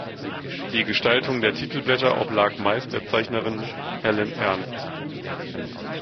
Die Gestaltung der Titelblätter oblag meist der Zeichnerin Helen Ernst.